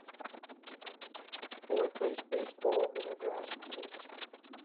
Boy plays baseball in a grass field